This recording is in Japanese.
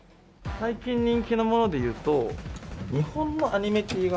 最近人気のものでいうと日本のアニメと映画。